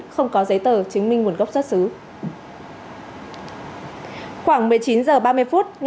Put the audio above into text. không có giấy tờ chứng minh nguồn gốc xuất xứ